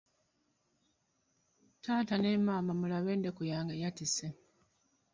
Taata ne maama, mulabe endeku yange eyatise!